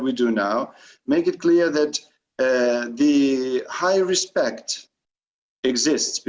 membuat jelas bahwa respect yang tinggi